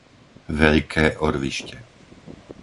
Veľké Orvište